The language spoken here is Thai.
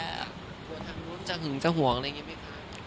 ทางนู้นจะหึงจะห่วงอะไรอย่างนี้ไหมคะ